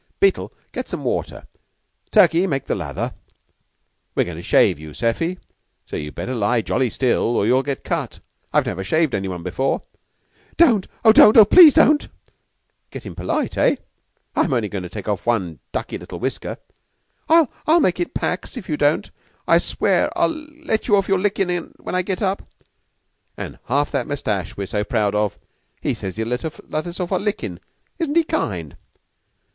] Beetle, get some water. Turkey, make the lather. We're goin' to shave you, Seffy, so you'd better lie jolly still, or you'll get cut. I've never shaved any one before." "Don't! Oh, don't! Please don't!" "Gettin' polite, eh? I'm only goin' to take off one ducky little whisker " "I'll I'll make it pax, if you don't. I swear I'll let you off your lickin' when I get up!" "And half that mustache we're so proud of. He says he'll let us off our lickin'. Isn't he kind?"